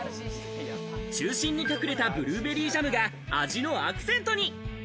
中心に隠れたブルーベリージャムが味のアクセントに。